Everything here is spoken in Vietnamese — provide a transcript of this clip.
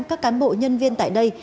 các cán bộ nhân viên tại đây